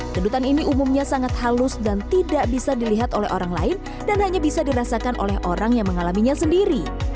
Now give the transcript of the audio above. kedutan ini umumnya sangat halus dan tidak bisa dilihat oleh orang lain dan hanya bisa dirasakan oleh orang yang mengalaminya sendiri